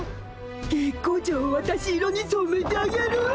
月光町をわたし色にそめてあげるわ！